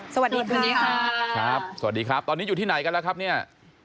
สวัสดีค่ะสวัสดีครับตอนนี้อยู่ที่ไหนกันแล้วครับเนี่ย